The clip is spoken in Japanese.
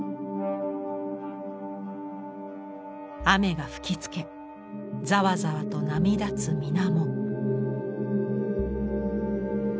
雨が吹きつけざわざわと波立つ水面。